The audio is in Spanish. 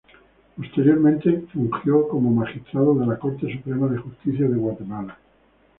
Posteriormente fungió como magistrado de la Corte Suprema de Justicia de Guatemala.